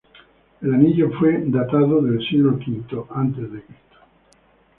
El anillo fue datado del siglo V a.